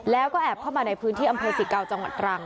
แล้วก็แอบเข้ามาในพื้นที่อำเภอสิเกาจังหวัดตรัง